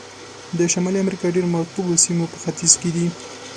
د شمالي امریکا ډېر مرطوبو سیمې په ختیځ کې دي.